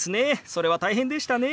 それは大変でしたね。